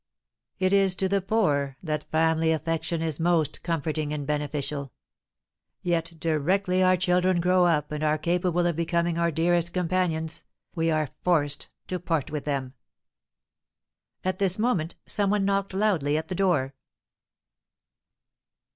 It is to the poor that family affection is most comforting and beneficial. Yet, directly our children grow up, and are capable of becoming our dearest companions, we are forced to part with them." At this moment some one knocked loudly at the door.